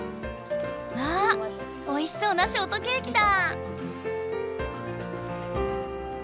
わあおいしそうなショートケーキだ！